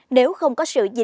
nếu không có sự giải phóng